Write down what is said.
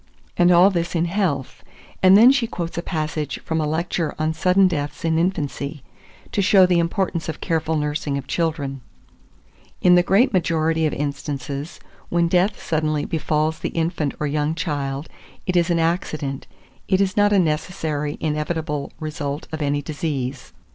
And all this in health; and then she quotes a passage from a lecture on sudden deaths in infancy, to show the importance of careful nursing of children: "In the great majority of instances, when death suddenly befalls the infant or young child, it is an accident; it is not a necessary, inevitable result of any disease.